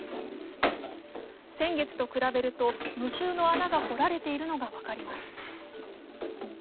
先月と比べると無数の穴が掘られているのが分かります。